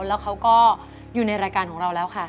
แล้วเขาก็อยู่ในรายการของเราแล้วค่ะ